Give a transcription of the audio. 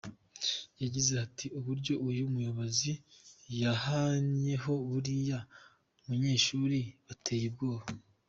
Yagize ati “Uburyo uyu muyobozi yahannyemo bariya banyeshuri buteye ubwoba.